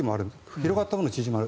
広がったものが縮まる。